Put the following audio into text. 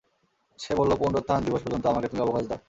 সে বলল, পুনরুত্থান দিবস পর্যন্ত আমাকে তুমি অবকাশ দাও।